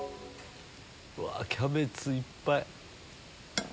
うわキャベツいっぱい。